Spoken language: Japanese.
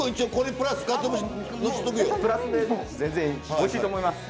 プラスで全然おいしいと思います。